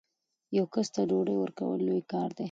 یو کس ته ډوډۍ ورکول لوی کار دی.